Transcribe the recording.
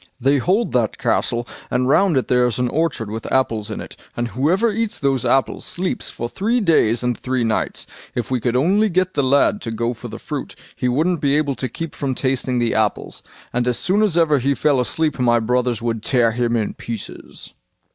They hold that castle, and round it there is an orchard with apples in it, and whoever eats those apples sleeps for three days and three nights. If we could only get the lad to go for the fruit, he wouldn't be able to keep from tasting the apples, and as soon as ever he fell asleep my brothers would tear him in pieces."